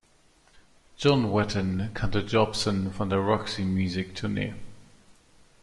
John Wetton kannte Jobson von der Roxy-Music-Tournee.